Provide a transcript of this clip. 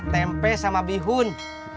tempe sama bihun